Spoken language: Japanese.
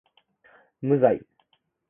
無罪